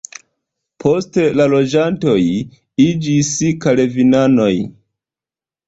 Poste la loĝantoj iĝis kalvinanoj.